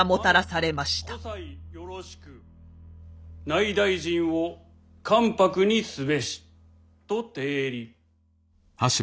内大臣を関白にすべしとてえり。